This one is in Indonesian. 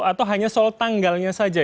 atau hanya soal tanggalnya saja